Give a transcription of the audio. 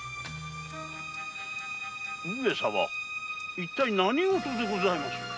上様一体何ごとでございますか？